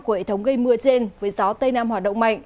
hội thống gây mưa trên với gió tây nam hoạt động mạnh